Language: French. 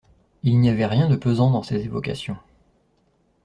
Il n’y avait rien de pesant dans ces évocations.